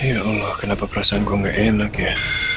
ya allah kenapa perasaan gue gak enak ya